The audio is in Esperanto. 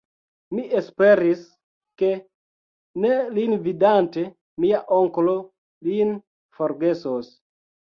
Mi esperis, ke, ne lin vidante, mia onklo lin forgesos.